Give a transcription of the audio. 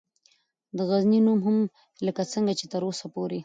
دغزنی نوم هم لکه څنګه چې تراوسه پورې